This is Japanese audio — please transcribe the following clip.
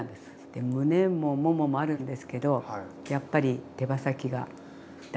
でむねももももあるんですけどやっぱり手羽先が楽かな。